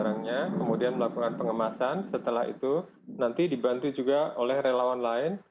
nanti dibantu juga oleh relawan lain